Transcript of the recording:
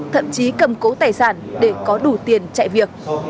thậm chí cầm cố tài sản để có đủ tiền chạy việc